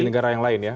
di negara yang lain ya